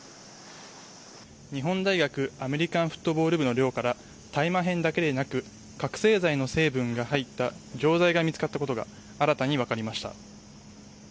日本大学アメリカンフットボール部の寮から大麻片だけでなく覚醒剤の成分が入った錠剤が見つかったことが新たに分かりました。